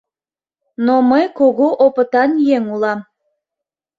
Но мый кугу опытан еҥ улам.